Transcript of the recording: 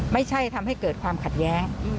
ไม่ใช่ทำให้เกิดความขัดแย้ง